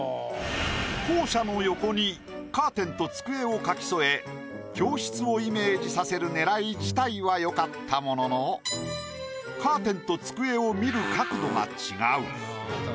校舎の横にカーテンと机を描き添え教室をイメージさせる狙い自体は良かったもののカーテンと机を見る角度が違う。